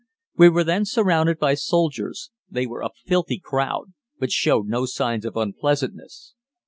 We were then surrounded by soldiers they were a filthy crowd, but showed no signs of unpleasantness.